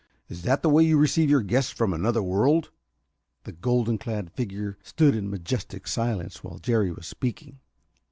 Is that the way you receive your guests from another world?" The golden clad figure stood in majestic silence while Jerry was speaking.